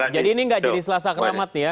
jadi ini nggak jadi selasa keramat ya